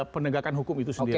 penegakan hukum itu sendiri